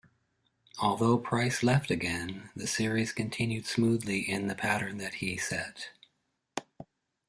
Although Price left again, the series continued smoothly in the pattern that he set.